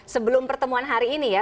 sebelum pertemuan hari ini ya